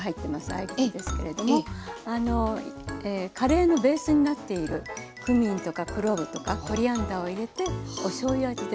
合いびきですけれどもカレーのベースになっているクミンとかクロ−ブとかコリアンダーを入れておしょうゆ味で。